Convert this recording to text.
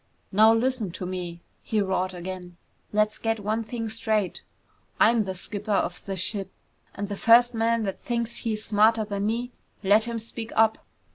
"Now listen to me!" he roared again. "Let's get one thing straight! I'm the skipper of this ship and the first man that thinks he's smarter than me, let him speak up!"